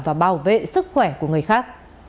và bảo vệ sức khỏe của người khác